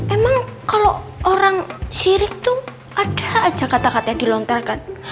emang kalau orang syirik tuh ada aja kata kata yang dilontarkan